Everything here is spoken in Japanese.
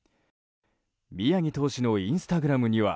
宮城投手のインスタグラムには